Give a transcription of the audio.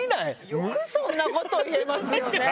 よくそんなこと言えますよね。